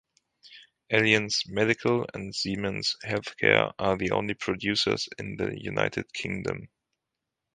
Alliance Medical and Siemens Healthcare are the only producers in the United Kingdom.